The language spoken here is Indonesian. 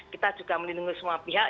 kita juga melindungi semua pihak